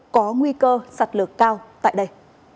có nguy cơ sạt lược cao tại đây